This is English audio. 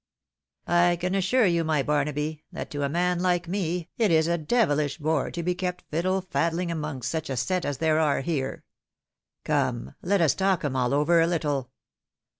I can assure you, my Barnaby, that to a man hke me, it is a devihsh bore to be kept fiddle faddling amongst such a set as there are here. Come, let us talk 'em all over a little.